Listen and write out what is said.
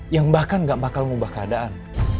yang bahkan gak bakal mengubah keadaan